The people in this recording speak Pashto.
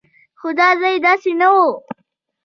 خو دا ځای داسې نه و.